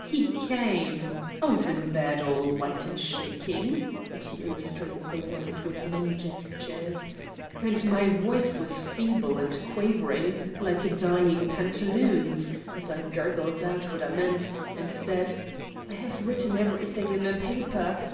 "He came. I was in bed all white and shaking," and he illustrated the words with many gestures; "and my voice was feeble and quavering, like a dying pantaloon's, as I gurgled out what I meant, and said, 'I have written everything in a paper.'